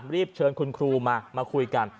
รีบเชิญคุณครูมามาคุยกัน